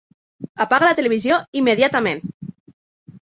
Apaga la televisió immediatament!